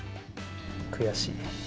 悔しい。